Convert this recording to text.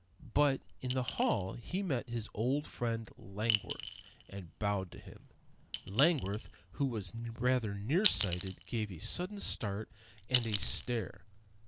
But in the hall he met his old friend Langworth and bowed to him. Langworth, who was rather near sighted, gave a sudden start and a stare.